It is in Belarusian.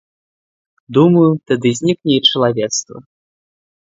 Думаю, тады знікне і чалавецтва.